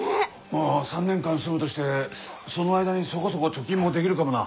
まあ３年間住むとしてその間にそこそこ貯金もできるかもな。